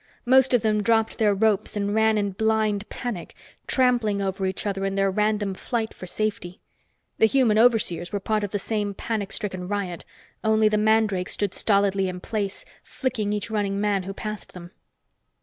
Most of them dropped their ropes and ran in blind panic, trampling over each other in their random flight for safety. The human overseers were part of the same panic stricken riot. Only the mandrakes stood stolidly in place, flicking each running man who passed them.